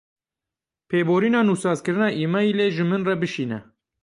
Pêborîna nûsazkirina emaîlê ji min re bişîne.